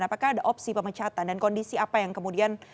apakah ada opsi pemecatan dan kondisi apa yang kemudian